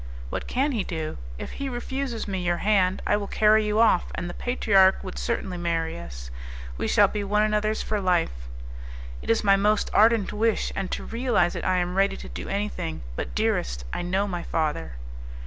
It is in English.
"What can he do? If he refuses me your hand, I will carry you off, and the patriarch would certainly marry us. We shall be one another's for life" "It is my most ardent wish, and to realize it I am ready to do anything; but, dearest, I know my father."